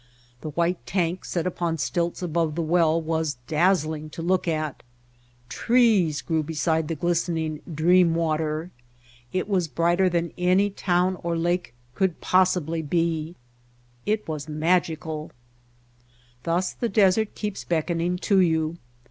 The white tank set upon stilts above the well was dazzling to look at. Trees grew beside the glistening dream water. It was brighter than any town or lake could possibly be; it was magical. Thus the desert keeps beckoning to you.